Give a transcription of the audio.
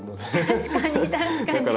確かに確かに。